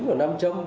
của năm châm